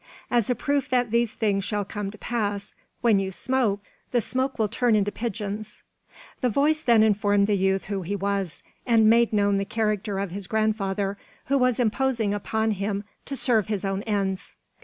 As a proof that these things shall come to pass, when you smoke, the smoke will turn into pigeons." The voice then informed the youth who he was, and made known the character of his grandfather, who was imposing upon him to serve his own ends.